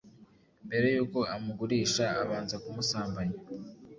mbere y'uko amugurisha abanza kumusambanya